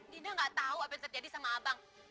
dina ga tau apa yang terjadi sama abang